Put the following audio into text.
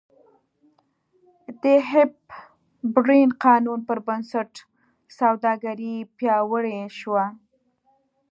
د هیپبرن قانون پربنسټ سوداګري پیاوړې شوه.